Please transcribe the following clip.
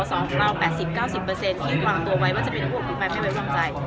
สอสอบกระเป็น๘๐๙๐ที่วางตัวไว้ว่าจะเป็นอภิกษ์ปลายไม่ได้อภิกษ์ใจ